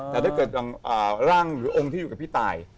แต่ถ้าเกิดอย่างร่างหรือองค์ที่อยู่กับพี่ตาย